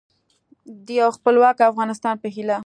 د یو خپلواک افغانستان په هیله